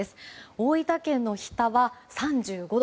大分県の日田は３５度。